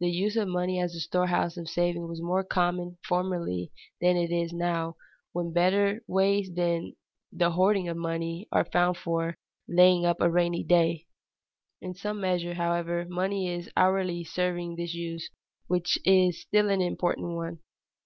The use of money as a storehouse of saving was more common formerly than it is now, when better ways than the hoarding of money are found for "laying up for a rainy day." In some measure, however, money is hourly serving this use, which is still an important one.